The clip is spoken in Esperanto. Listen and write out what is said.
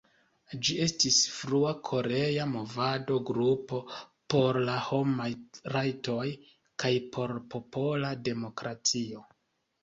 Ĝi estis frua korea movada grupo por la homaj rajtoj, kaj por popola demokratio.